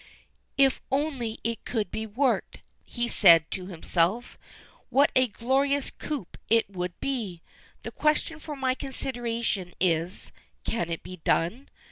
"If only it could be worked," he said to himself, "what a glorious coup it would be. The question for my consideration is, can it be done?